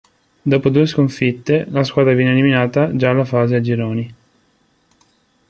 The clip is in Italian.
Dopo due sconfitte, la squadra viene eliminata già alla fase a gironi.